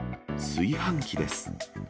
炊飯器です。